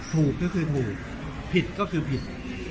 ถูกก็คือถูกผิดก็คือผิด